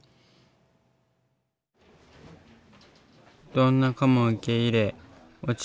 どんな子も受け入れ落ち